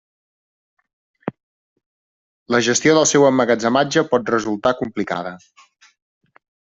La gestió del seu emmagatzematge pot resultar complicada.